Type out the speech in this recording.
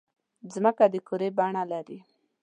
مځکه د کُرې بڼه لري.